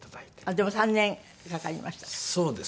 でも３年かかりましたか？